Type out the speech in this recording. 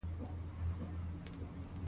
د وېښتیانو پرېښودنه پاملرنې ته اړتیا لري.